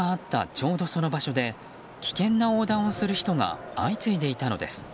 ちょうどその場所で危険な横断をする人が相次いでいたのです。